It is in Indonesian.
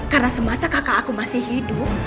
karena semasa kakak aku masih hidup